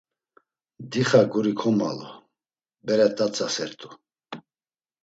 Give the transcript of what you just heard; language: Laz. Dixa guri komvalu; bere t̆atzasert̆u.